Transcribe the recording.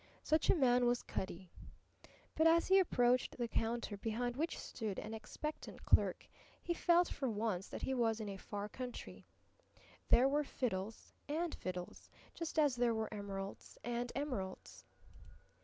Such a man was Cutty. But as he approached the counter behind which stood an expectant clerk he felt for once that he was in a far country. There were fiddles and fiddles, just as there were emeralds and emeralds.